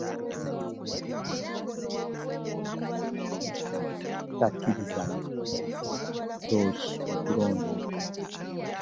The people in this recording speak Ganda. Lwaki takkiriza ne tukuba ttooci mu kulonda okwo?